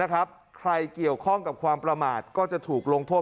ใครเกี่ยวข้องกับความประมาทก็จะถูกลงโทษ